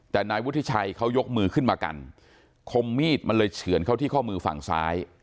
แต่นายวุฒิชัยเขายกมือขึ้นมากันคมมีดมันเลยเฉือนเข้าที่ข้อมือฝั่งซ้าย